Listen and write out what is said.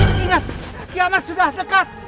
mas ingat kiamat sudah dekat